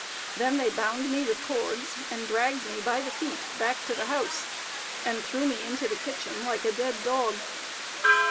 They then bound me with cords, and dragged me by the feet back to the house, and threw me into the kitchen, like a dead dog.